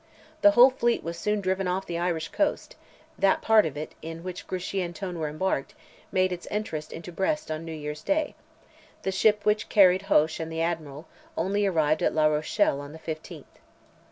The whole fleet was soon driven off the Irish coast; that part of it, in which Grouchy and Tone were embarked, made its entrance into Brest on New Year's day; the ship which carried Hoche and the Admiral, only arrived at La Rochelle on the 15th.